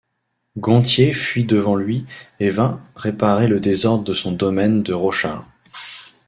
Gontier fuit devant lui et vint réparer le désordre de son domaine de Rochard.